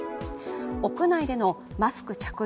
屋内でのマスク着用